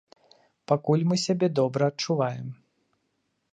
Пакуль мы сябе добра адчуваем.